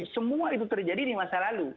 jadi semua itu terjadi di masa lalu